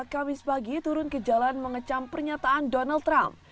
kamis pagi turun ke jalan mengecam pernyataan donald trump